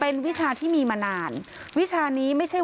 เป็นพระรูปนี้เหมือนเคี้ยวเหมือนกำลังทำปากขมิบท่องกระถาอะไรสักอย่าง